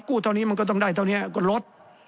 เท่านี้มันก็ต้องได้เท่านี้ก็ลด